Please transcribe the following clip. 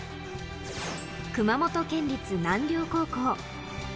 熊本県立南稜高校。